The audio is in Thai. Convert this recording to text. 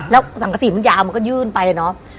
แล้วสังกษีมันยาวมันก็ยื่นไปเนาะ